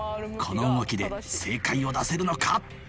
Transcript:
この動きで正解を出せるのか？